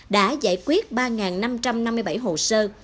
đã giải quyết ba năm trăm năm mươi bảy hồ sơ